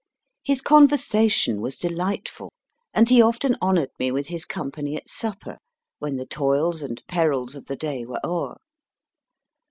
His conversation was delightful, and he often honoured me with his company at supper, when the toils and perils of the day were o er.